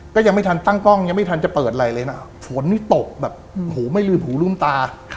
ก็ยังไม่ทันตั้งกล้องยังไม่ทันจะเปิดอะไรเลยนะฝนนี่ตกแบบโหไม่ลืมหูลืมตา